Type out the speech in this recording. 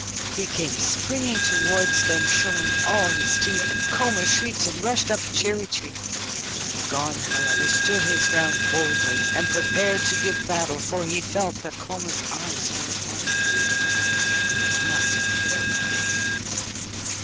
He came springing towards them showing all his teeth, and Koma shrieked, and rushed up a cherry tree. Gon, however, stood his ground boldly, and prepared to give battle, for he felt that Koma's eyes were upon him, and that he must not run away.